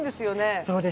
そうですね。